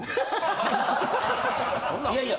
いやいや。